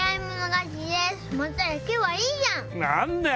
何だよ！